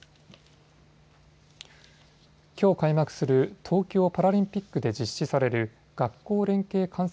きょう開幕する東京パラリンピックで実施される学校連携観戦